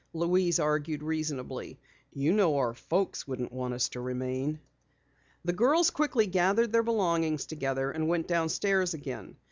Louise argued reasonably. "You know our folks wouldn't want us to remain." The girls quickly gathered their belongings together and went downstairs again.